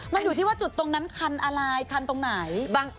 มันอยู่ที่ว่าจุดตรงนั้นคันอะไรคันตรงไหน